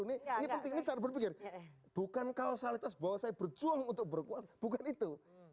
ini penting ini cara berpikir bukan kausalitas bahwa saya berjuang untuk berkuasa bukan itu